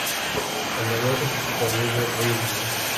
El negocio pervive hoy en día.